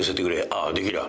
ああできりゃ